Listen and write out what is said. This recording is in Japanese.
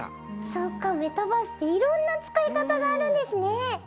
そっかメタバースって色んな使い方があるんですね。